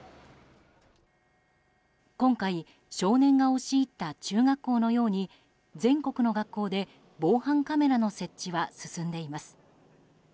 今回、少年が押し入った中学校のように全国の学校で防犯カメラの設置は進んでいます。